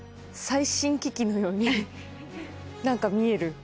最新機器のように何か見える。